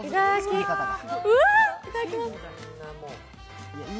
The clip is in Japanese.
いただきます。